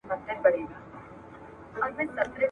ما په تور کي د مرغۍ ډلي لیدلې..